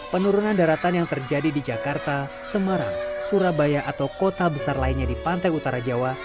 penurunan daratan yang terjadi di jakarta semarang surabaya atau kota besar lainnya di pantai utara jawa